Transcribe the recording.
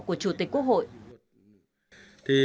của chủ tịch quốc hội